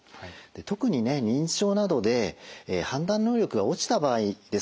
特に認知症などで判断能力が落ちた場合ですよね。